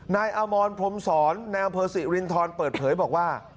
นายอมรพรมศรนายอำเภอสิรินทรเปิดเผยบอกว่า